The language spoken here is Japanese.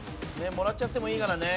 もらっちゃってもいいからね。